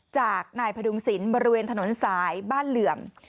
จากนายพดุงศิลป์บริเวณถนนสายบ้านเหลื่อม